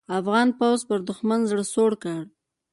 افغان پوځ پر دوښمن زړه سوړ کړ.